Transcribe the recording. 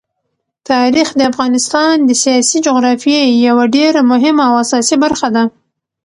تاریخ د افغانستان د سیاسي جغرافیې یوه ډېره مهمه او اساسي برخه ده.